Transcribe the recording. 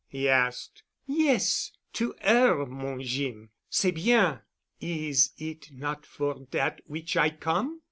he asked. "Yes. To 'er, mon Jeem. C'est bien. Is it not for dat which I come?"